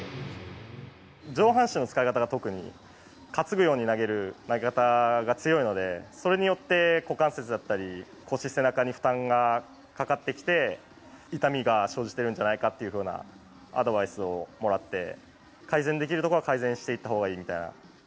上半身の使い方が特に、担ぐように投げる投げ方が強いので、それによって股関節だったり、腰、背中に負担がかかってきて、痛みが生じているんじゃないかというようなアドバイスをもらって、改善できるところは改善していったほうがいいみたいな。